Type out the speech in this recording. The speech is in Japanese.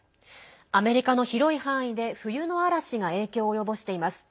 アメリカの広い範囲で冬の嵐が影響を及ぼしています。